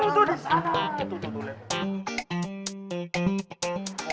tuh tuh disana